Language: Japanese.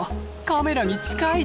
カメラに近い！